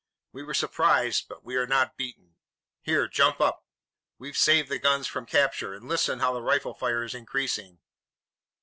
We were surprised, but we are not beaten. Here, jump up! We've saved the guns from capture! And listen how the rifle fire is increasing."